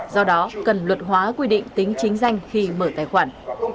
do đó cần luật hóa quy định tính chính danh khi mở tài khoản